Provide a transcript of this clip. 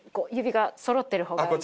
指がそろってる方が。